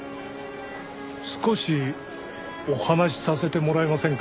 少しお話しさせてもらえませんか？